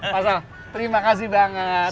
masalah terima kasih banget